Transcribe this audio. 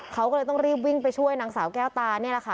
เขาก็เลยต้องรีบวิ่งไปช่วยนางสาวแก้วตานี่แหละค่ะ